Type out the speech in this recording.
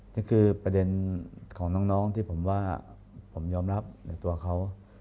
นี่คือประเด็นของน้องที่ผมว่าผมยอมรับในตัวเขา